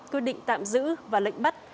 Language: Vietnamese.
quyết định tạm giữ và lệnh bắt